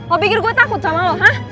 lo pikir gue takut sama lo ha